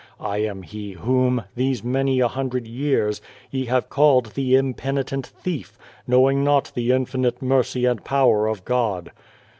I am he whom, these many a hundred years, ye have called the ' impenitent thief/ knowing not the infinite mercy and power of God.